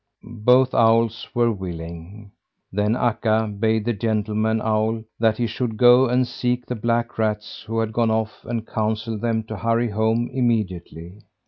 Both owls were willing. Then Akka bade the gentleman owl that he should go and seek the black rats who had gone off, and counsel them to hurry home immediately.